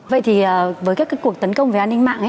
vậy thì với các cuộc tấn công về an ninh mạng